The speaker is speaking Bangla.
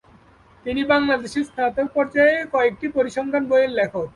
তিনি বাংলাদেশে স্নাতক পর্যায়ে কয়েকটি পরিসংখ্যান বইয়ের লেখক।